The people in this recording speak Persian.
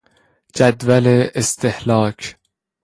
جدول استهلاک